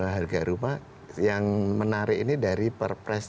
harga rumah yang menarik ini dari perpres tiga puluh empat